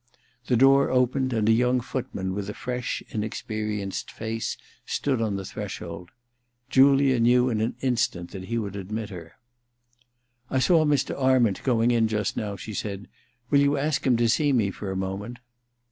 The door opened and a young footman with a fresh inexperienced face stood on the threshold. Julia knew in an instant that he would admit her. * I saw Mr. Arment going in just now/ she said. *WiIl you ask him to see me for a moment